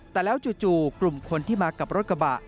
แต่แล้วจู่กลุ่มคนที่มากับรถกระบะ